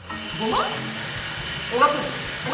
おがくず？